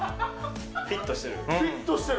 フィットしてる？